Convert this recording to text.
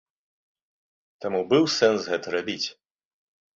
Таму быў сэнс гэта рабіць.